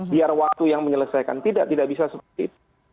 biar waktu yang menyelesaikan tidak bisa seperti itu